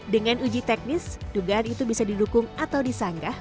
dengan uji teknis dugaan itu bisa didukung atau disanggah